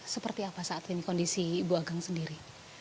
seperti apa saat ini kondisi ibu agang sendiri